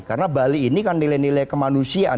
karena bali ini kan nilai nilai kemanusiaan